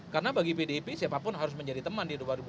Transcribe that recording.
karena bagi pdip siapapun harus menjadi teman di dua ribu dua puluh empat